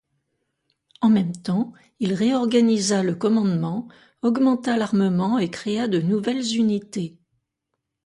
En même temps, il réorganisa le commandement, augmenta l'armement et créa de nouvelles unités.